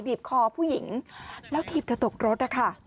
บีบคอผู้หญิงแล้วถีบเธอตกรถ